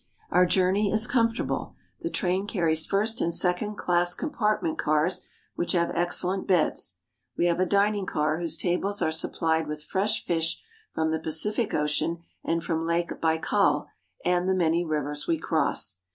Our journey is comfortable. The train carries first and second class compartment cars which have excellent beds. We have a dining car whose tables are supplied with fresh fish from the Pacific Ocean and from Lake Baikal and the many rivers we cross.